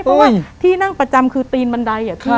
เพราะว่าที่นั่งประจำคือตีนบันไดอะพี่